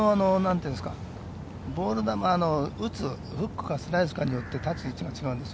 フックかスライスかによって立ち位置が違うんです。